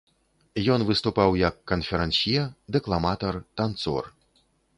Ён выступаў як канферансье, дэкламатар, танцор.